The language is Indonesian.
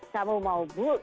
jadi mereka tidak peduli